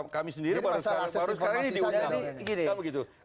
kami sendiri baru sekarang ini diundang